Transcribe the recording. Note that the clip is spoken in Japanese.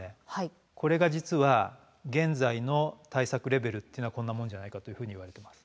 これが実は現在の対策レベルっていうのはこんなもんじゃないかというふうにいわれてます。